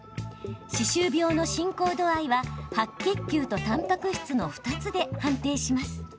歯周病の進行度合いは白血球とたんぱく質の２つで判定します。